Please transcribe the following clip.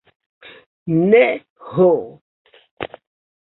Ne, ho!